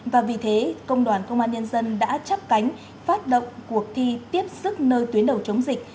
và vì thế công đoàn công an nhân dân đã chấp cánh phát động cuộc thi tiếp sức nơi tuyến đầu chống dịch